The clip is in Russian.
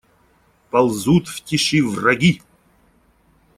Ползут в тиши враги.